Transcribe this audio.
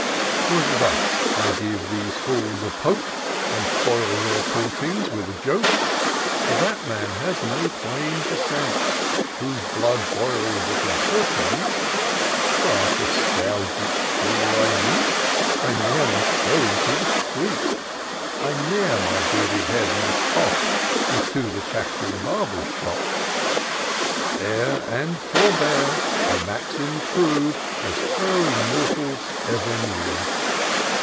"'Tis thus I. give these fools a poke, And foil their tauntings with a joke ; For that man has no claim to sense, Whose blood boils at inpertinence. Were I to scourge each fool I meet, I ne'er must go into the street; I ne'er my bearded head must pop Into the chatt'ring barber's shop. " Bear and forbear — a maxim true As erring mortals ever knew.